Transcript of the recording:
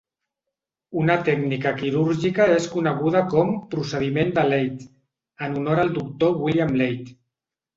Una tècnica quirúrgica és coneguda com "procediment de Ladd" en honor al Doctor William Ladd.